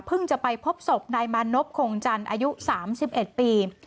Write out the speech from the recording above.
พึ่งจะไปพบศพนายมานพโคงจันทร์อายุสามสิบเอ็ดปี